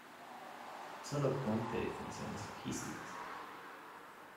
Sólo cumple funciones logísticas.